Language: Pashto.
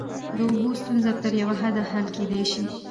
د اوبو ستونزه تر یوه حده حل کیدای شي.